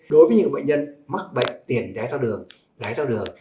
đối với những bệnh nhân mắc bệnh tiền đáy thao đường